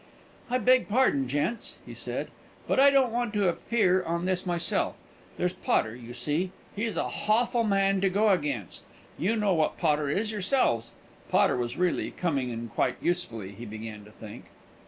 "I beg pardon, gents," he said, "but I don't want to appear in this myself. There's Potter, you see; he's a hawful man to go against. You know what Potter is, yourselves." (Potter was really coming in quite usefully, he began to think.)